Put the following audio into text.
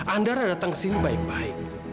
andara datang ke sini baik baik